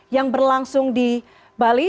yang berlangsung di bali